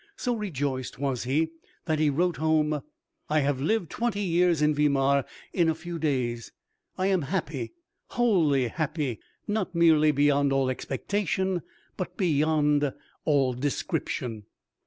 So rejoiced was he that he wrote home, "I have lived twenty years in Weimar in a few days. I am happy, wholly happy, not merely beyond all expectation, but beyond all description."